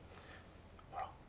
ほら。